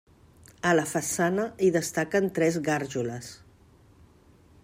A la façana hi destaquen tres gàrgoles.